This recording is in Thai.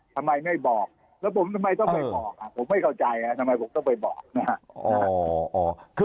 ทำไมไม่บอกแล้วผมทำไมต้องไปบอกผมไม่เข้าใจทำไมผมต้องไปบอกนะครับ